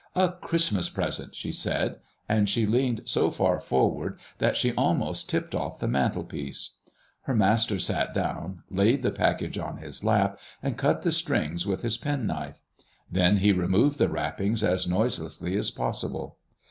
"A Christmas present," she said; and she leaned so far forward that she almost tipped off the mantel piece. Her master sat down, laid the package on his lap, and cut the strings with his penknife; then he removed the wrappings as noiselessly as possible.